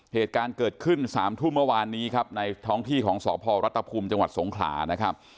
เหตุการณ์เกิดขึ้น๓ทุ่มเมื่อวานนี้ครับในท้องที่ของสพรัฐภูมิจังหวัดสงขลานะครับ